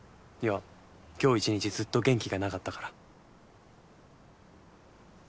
いや今日一日ずっと元気がなかったから。